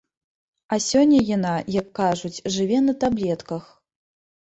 А сёння яна, як кажуць, жыве на таблетках.